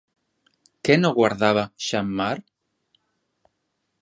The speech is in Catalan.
Què no guardava Xammar?